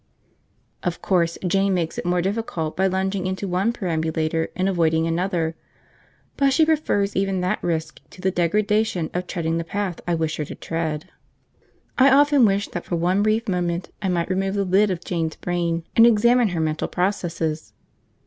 Of course Jane makes it more difficult by lunging into one perambulator in avoiding another, but she prefers even that risk to the degradation of treading the path I wish her to tread. I often wish that for one brief moment I might remove the lid of Jane's brain and examine her mental processes.